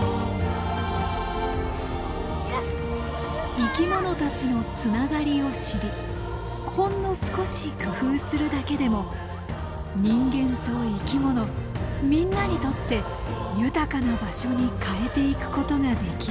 生き物たちのつながりを知りほんの少し工夫するだけでも人間と生き物みんなにとって豊かな場所に変えていくことができる。